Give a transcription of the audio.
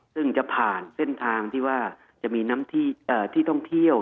ซึ่งจะผ่านเส้นทางที่ว่าจะมีน้ำที่ท่องเที่ยว